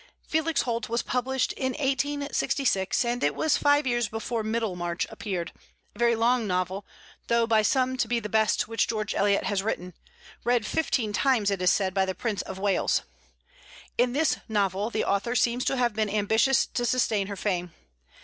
"Felix Holt" was published in 1866, and it was five years before "Middlemarch" appeared, a very long novel, thought by some to be the best which George Eliot has written; read fifteen times, it is said, by the Prince of Wales. In this novel the author seems to have been ambitious to sustain her fame.